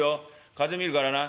風見るからな。